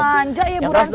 manja ya bu rante